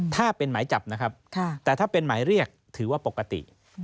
ถ้าเป็นหมายจับนะครับแต่ถ้าเป็นหมายเรียกถือว่าปกติ